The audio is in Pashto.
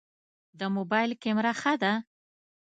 د موبایل کمره ښه ده؟